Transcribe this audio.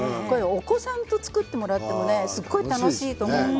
お子さんと作ってもらってもすごい楽しいと思うの。